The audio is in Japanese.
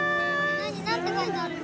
何て書いてあるの？